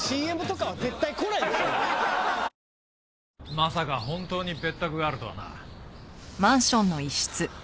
まさか本当に別宅があるとはな。